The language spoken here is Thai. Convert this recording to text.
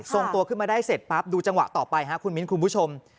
ส่งตัวขึ้นมาได้เสร็จปั๊บดูจังหวะต่อไปครับคุณมิ้นคุณผู้ชม